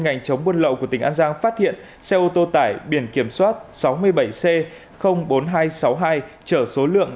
ngành chống buôn lậu của tỉnh an giang phát hiện xe ô tô tải biển kiểm soát sáu mươi bảy c bốn nghìn hai trăm sáu mươi hai chở số lượng